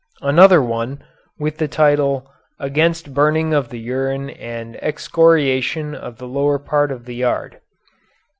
Another one, with the title "Against Burning of the Urine and Excoriation of the Lower Part of the Yard."